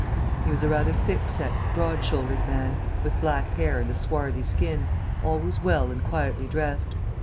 He was a rather thick set, broad shouldered man, with black hair and a swarthy skin, always well and quietly dressed.